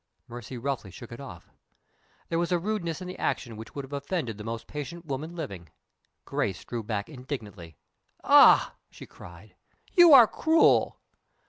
Mercy roughly shook it off. There was a rudeness in the action which would have offended the most patient woman living. Grace drew back indignantly. "Ah!" she cried, "you are cruel."